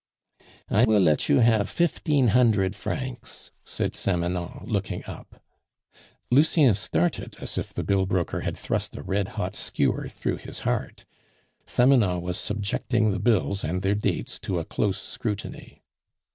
"I will let you have fifteen hundred francs," said Samanon, looking up. Lucien started, as if the bill broker had thrust a red hot skewer through his heart. Samanon was subjecting the bills and their dates to a close scrutiny.